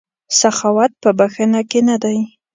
سخاوت په بښنه کې نه دی.